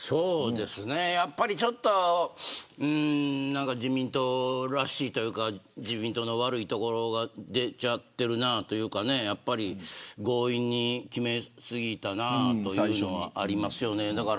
やっぱりちょっと自民党らしいというか自民党の悪いところが出ちゃってるなというかやっぱり強引に決め過ぎたなというのはありますよね。